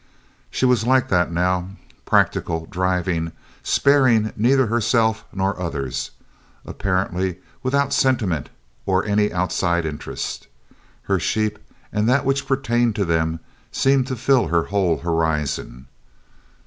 She was like that now practical, driving, sparing neither herself nor others apparently without sentiment or any outside interest. Her sheep and that which pertained to them seemed to fill her whole horizon.